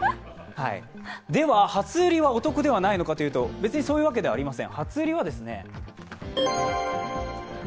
では、初売りはお得じゃないかというとそういうわけではありません。